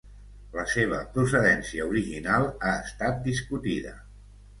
La seva procedència original ha estat discutida.